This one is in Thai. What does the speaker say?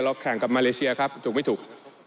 แข่งกับมาเลเซียครับถูกไม่ถูก